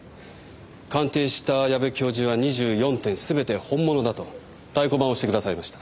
鑑定した矢部教授は２４点全て本物だと太鼓判を押して下さいました。